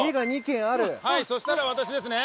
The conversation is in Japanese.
はいそしたら私ですね。